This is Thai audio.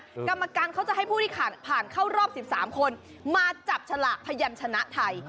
กรรมการเขาจะให้ผู้ที่ผ่านเข้ารอบ๑๓คนมาจับฉลากพยันชนะไทย